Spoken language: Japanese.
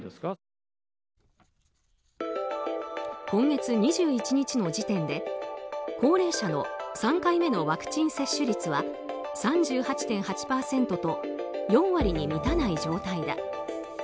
今月２１日の時点で、高齢者の３回目のワクチン接種率は３８．８％と４割に満たない状態だ。